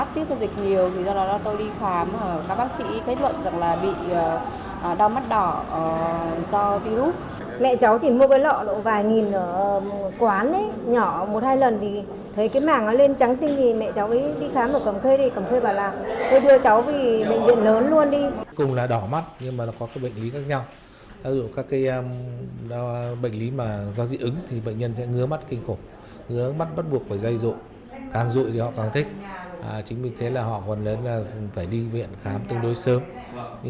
theo các bác sĩ bệnh đau mắt đỏ thường bùng phát từ mùa hè cho đến đầu mùa thu